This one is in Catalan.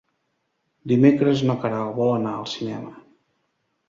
Dimecres na Queralt vol anar al cinema.